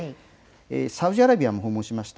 サウジアラビアも訪問しました。